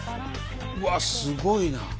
すごいな。